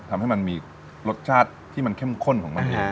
ทำให้มันมีรสชาติที่มันเข้มข้นของมัน